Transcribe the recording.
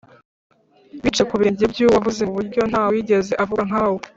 bicaye ku birenge by’uwavuze mu buryo “nta wigeze avuga nka we”